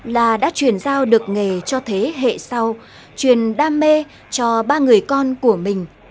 là đã truyền giao được nghề cho thế hệ sau truyền đam mê cho ba người con của mình